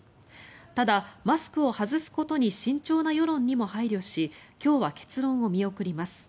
ただ、マスクを外すことに慎重な世論にも配慮し今日は結論を見送ります。